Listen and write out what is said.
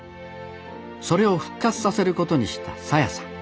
それを復活させることにした沙耶さん。